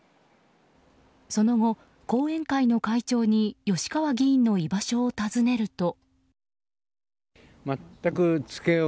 その後、後援会の会長に吉川議員の居場所を尋ねると。